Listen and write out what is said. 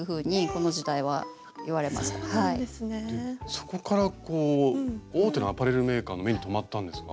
そこからこう大手のアパレルメーカーの目に留まったんですか？